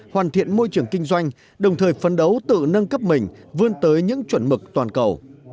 hoàn thiện môi trường kinh doanh đồng thời phấn đấu tự nâng cấp mình vươn tới những chuẩn mực toàn cầu